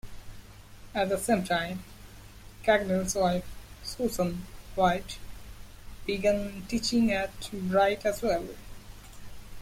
At the same time, Cracknell's wife, Susan White, began teaching at Brite as well.